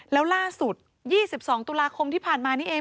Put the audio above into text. แล้วล่าสุด๒๒ตุลาคมที่ผ่านมานี่เอง